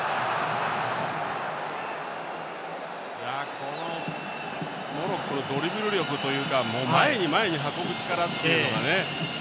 このモロッコのドリブル力というか前に前に運ぶ力というのがね